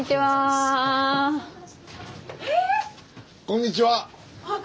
こんにちは。えっ！？